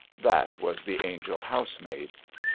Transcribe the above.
'' That was the angel housemaid.